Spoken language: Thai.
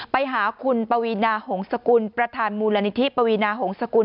ไปหาคุณปวีนาหงษกุลประธานมูลนิธิปวีนาหงษกุล